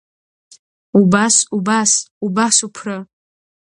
Убас, убас, убас уԥры!